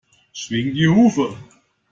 Schwing die Hufe!